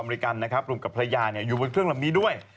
อเมริกันนะครับรุ่งกับพระยาเนี่ยอยู่บนเครื่องลำนี้ด้วย